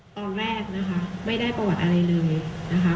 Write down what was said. ตอนแรกนะคะไม่ได้ประวัติอะไรเลยนะคะ